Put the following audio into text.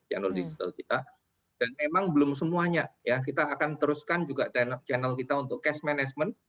channel digital kita dan memang belum semuanya ya kita akan teruskan juga channel kita untuk cash management